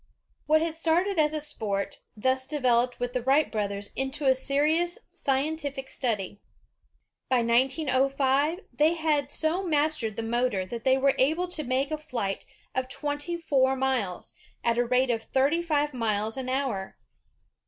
What. had started as a sport, thus developed with the Wright brothers into a serious scientific study. By 1905, they had so mastered the motor that they were able to make a flight of twenty four miles, at the rate of thirty five miles an hour.